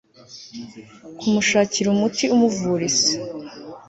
kumushakira umuti umuvura ise